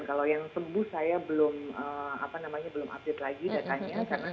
kalau yang sembuh saya belum update lagi datanya